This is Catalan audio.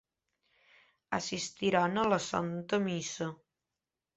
Assistiran a la santa missa.